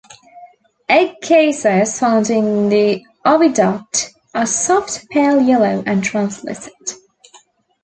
Egg cases found in the oviduct are soft, pale yellow and translucent.